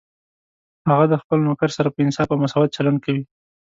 هغه د خپل نوکر سره په انصاف او مساوات چلند کوي